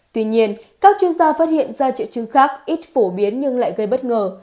tuy nhiên các chuyên gia phát hiện ra triệu chứng khác ít phổ biến nhưng lại gây bất ngờ